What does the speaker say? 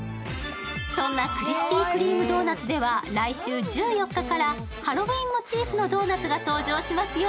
そんなクリスピー・クリーム・ドーナツでは来週１４日からハロウィンモチーフのドーナツが登場しますよ。